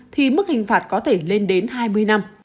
thì mức hình phạt có thể lên đến hai mươi năm